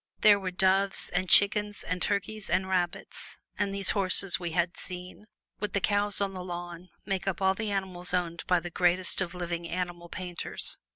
There were doves, and chickens, and turkeys, and rabbits; and these horses we had seen, with the cows on the lawn, make up all the animals owned by the greatest of living animal painters.